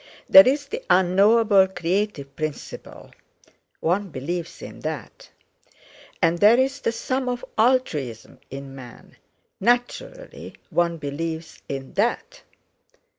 There's the Unknowable Creative Principle—one believes in That. And there's the Sum of altruism in man—naturally one believes in That."